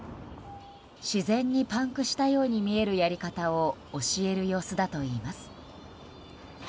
自然にパンクしたように見えるやり方を教える様子だといいます。